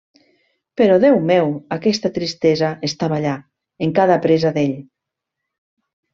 Però, Déu meu, aquesta tristesa estava allà, en cada presa d'ell.